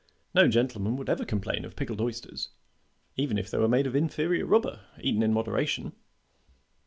"No gentleman would ever complain of pickled oysters, even if they were made of inferior rubber, eaten in moderation.